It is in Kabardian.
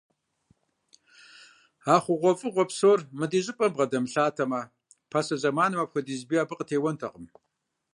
А хъугъуэфӏыгъуэ псор мы ди щӏыпӏэм бгъэдэмылъатэмэ, пасэ зэманым апхуэдиз бий абы къытеуэнтэкъым.